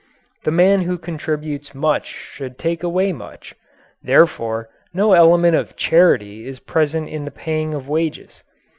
The man who contributes much should take away much. Therefore no element of charity is present in the paying of wages.